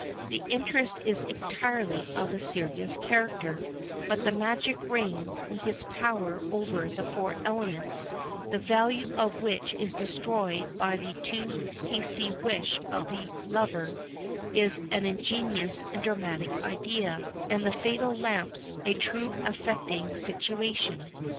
The interest is entirely of a serious character; but the magic ring, with its power over the four elements the value of which is destroyed by the too hasty wish of the lover is an ingenious and dramatic idea, and the fatal lamps a truly affecting situation.